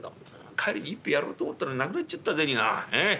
帰りに一杯やろうと思ったのに無くなっちゃった銭が。